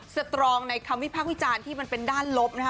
สตรองในคำวิพากษ์วิจารณ์ที่มันเป็นด้านลบนะคะ